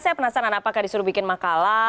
saya penasaran apakah disuruh bikin makala